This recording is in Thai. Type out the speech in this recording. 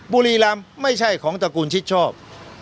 บุรีรำไม่ใช่ของตระกูลชิดชอบ